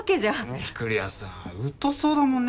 御厨さん疎そうだもんね